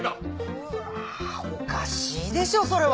うわぁおかしいでしょそれは。